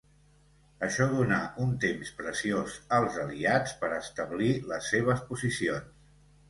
Això donà un temps preciós als aliats per a establir les seves posicions.